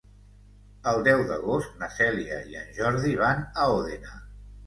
El deu d'agost na Cèlia i en Jordi van a Òdena.